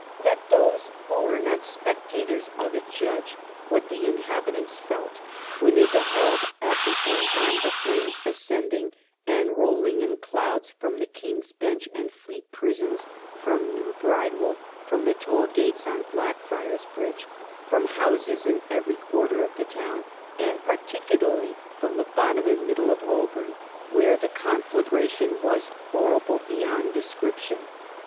Let those who were not spectators of it judge what the inhabitants felt when they beheld at the same time the flames ascending and rolling in clouds from the King's Bench and Fleet Prisons, from New Bridewell, from the toll gates on Blackfriars Bridge, from houses in every quarter of the town, and particularly from the bottom and middle of Holborn, where the conflagration was horrible beyond description.